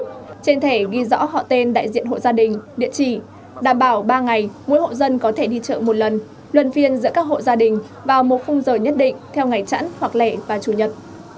trên thẻ ghi rõ họ tên đại diện hộ gia đình địa chỉ đảm bảo ba ngày mỗi hộ dân có thể đi chợ một lần luân phiên giữa các hộ gia đình vào một khung giờ nhất định theo ngày chẵn hoặc lẻ và chủ nhật